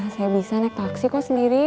saya bisa naik taksi kok sendiri